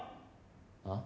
あ？